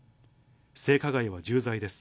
性加害は重罪です。